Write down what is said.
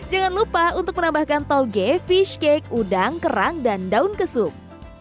jangan lupa untuk menambahkan toge fish cake udang kerang dan daun kesuk